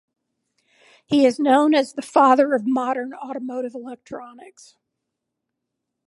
He is known as the father of modern automotive electronics.